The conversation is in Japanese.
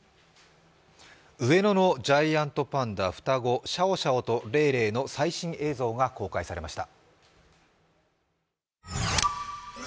上野のジャイアントパンダの双子シャオシャオとレイレイの最新映像が公開されました。